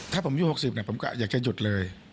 ถ้าผมอยู่๖๐ผมก็อยากจะหยุดเลย